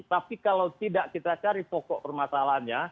tapi kalau tidak kita cari pokok permasalahannya